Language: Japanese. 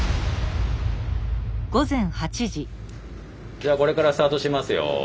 じゃあこれからスタートしますよ。